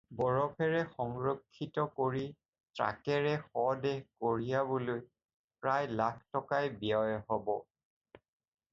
বৰফেৰে সংৰক্ষিত কৰি ট্ৰাকেৰে শ-দেহ কঢ়িয়াবলৈ প্ৰায় লাখ টকাই ব্যয় হ'ব।